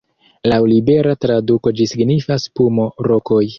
Laŭ libera traduko ĝi signifas "pumo-rokoj".